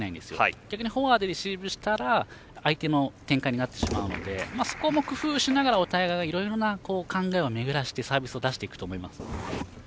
逆にフォアでレシーブしたら相手の展開になってしまうのでそこも工夫しながら、お互いがいろいろな考えをめぐらせてサービスを出していくと思います。